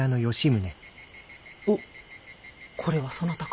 おこれはそなたか。